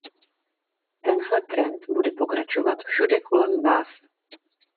Tenhle trend bude pokračovat všude kolem vás.